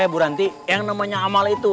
bu ranti yang namanya amal itu